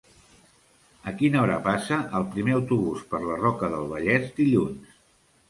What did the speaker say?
A quina hora passa el primer autobús per la Roca del Vallès dilluns?